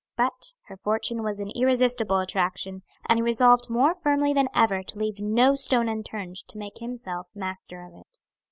But her fortune was an irresistible attraction, and he resolved more firmly than ever to leave no stone unturned to make himself master of it.